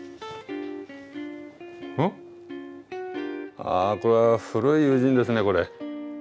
あこれは古い友人ですねこれ。